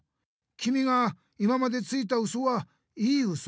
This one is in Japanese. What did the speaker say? きみが今までついたウソはいいウソ？